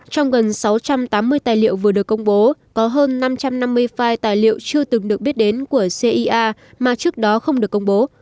trong gần sáu trăm tám mươi tài liệu vừa được công bố có hơn năm trăm năm mươi file tài liệu chưa từng được biết đến của cia mà trước đó không được công bố